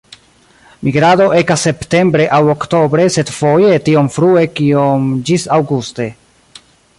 Migrado ekas septembre aŭ oktobre, sed foje tiom frue kiom ĝis aŭguste.